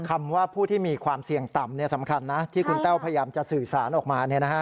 คำว่าผู้ที่มีความเสี่ยงต่ำสำคัญนะที่คุณแต้วพยายามจะสื่อสารออกมา